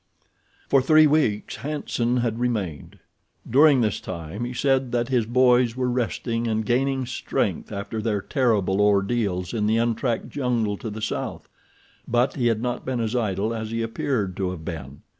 For three weeks Hanson had remained. During this time he said that his boys were resting and gaining strength after their terrible ordeals in the untracked jungle to the south; but he had not been as idle as he appeared to have been.